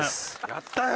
やったよ！